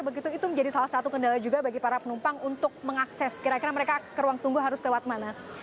begitu itu menjadi salah satu kendala juga bagi para penumpang untuk mengakses kira kira mereka ke ruang tunggu harus lewat mana